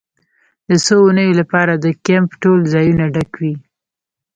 د څو اونیو لپاره د کیمپ ټول ځایونه ډک وي